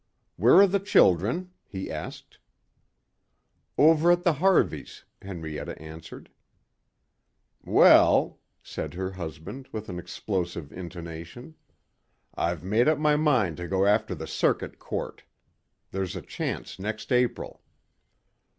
"Where are the children?" he asked. "Over at the Harveys," Henrietta answered. "Well," said her husband with an explosive intonation, "I've made up my mind to go after the circuit court. There's a chance next April."